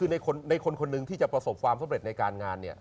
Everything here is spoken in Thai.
ในคนคนคนนึงที่จะประสบความสำเร็จในการงาน